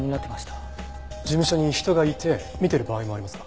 事務所に人がいて見てる場合もありますか？